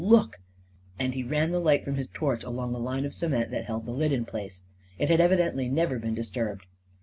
Look !" and he ran the light from his torch along a line of cement that held the lid in place. It had evidently never been disturbed.